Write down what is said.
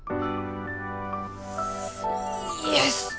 イエス！